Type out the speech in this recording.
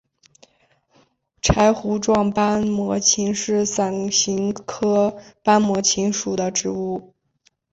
柴胡状斑膜芹是伞形科斑膜芹属的植物。